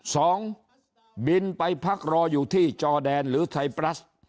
สองบินไปพักรออยู่ที่จอแดนหรือไทยปรัส